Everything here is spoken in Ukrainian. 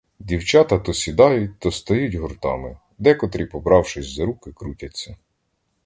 Дівчата то сідають, то стають гуртами; декотрі, побравшись за руки, крутяться.